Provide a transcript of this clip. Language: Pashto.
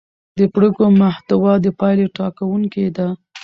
د پرېکړو محتوا د پایلې ټاکونکې ده